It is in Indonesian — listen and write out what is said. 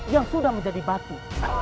yang sudah menjadi batu